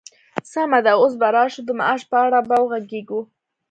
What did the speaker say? سمه ده، اوس به راشو د معاش په اړه به وغږيږو!